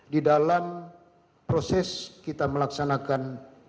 di dalam proses kita melaksanakan